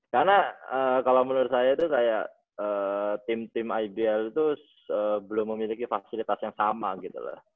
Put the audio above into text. karena kalau menurut saya itu kayak tim tim ibl itu belum memiliki fasilitas yang sama gitu lah